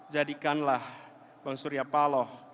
jadikanlah bang surya paloh